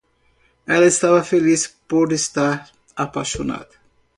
Ela estava feliz por estar apaixonada.